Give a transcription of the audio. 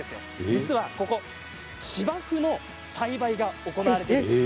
実はここ、芝生の栽培が行われているんです。